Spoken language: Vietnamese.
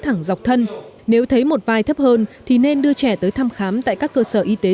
thẳng dọc thân nếu thấy một vai thấp hơn thì nên đưa trẻ tới thăm khám tại các cơ sở y tế